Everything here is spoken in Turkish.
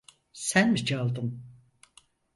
Sen mi çaldın?